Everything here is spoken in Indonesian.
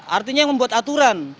artinya membuat aturan